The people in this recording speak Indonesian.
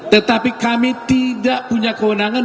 tetapi kami tidak punya kewenangan